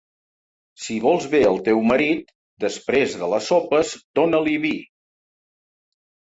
Si vols bé al teu marit, després de les sopes dona-li vi.